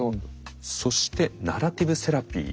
そしてナラティブ・セラピー。